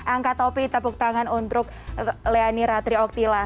angkat topi tepuk tangan untuk leoni ratri oktila